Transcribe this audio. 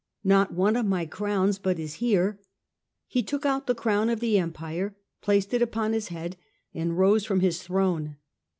" Not one of my crowns but is here." He took out the crown of the Empire, placed it upon his head, and rose from his throne.